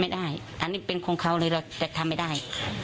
ไม่ได้อันนี้เป็นของเขาเลยเราจะทำไม่ได้